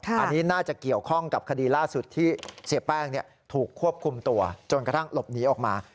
อันนี้น่าจะเกี่ยวข้องกับคดีล่าสุดที่เสียแป้งถูกควบคุมตัวจนกระทั่งหลบหนีออกมา